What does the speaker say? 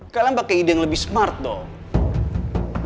kalian pakai ide yang lebih smart dong